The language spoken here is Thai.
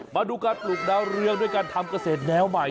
มาดูการปลูกดาวเรืองด้วยการทำเกษตรแนวใหม่